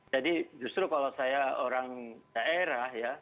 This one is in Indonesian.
jadi justru kalau saya orang daerah ya